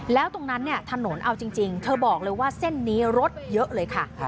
แล้วตรงนั้นเนี่ยถนนเอาจริงเธอบอกเลยว่าเส้นนี้รถเยอะเลยค่ะ